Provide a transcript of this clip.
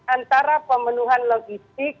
antara pemenuhan logistik